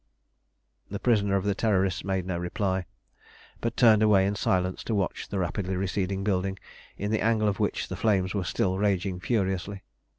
The prisoner of the Terrorists made no reply, but turned away in silence to watch the rapidly receding building, in the angle of which the flames were still raging furiously.